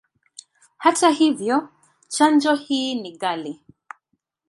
Hata hivyo, chanjo hii ni ghali.